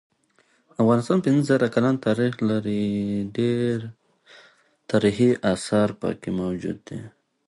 ترکیب د تشریح وسیله ده.